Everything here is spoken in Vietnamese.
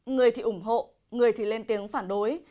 người thì ủng hộ người thì lên tiếng phản đối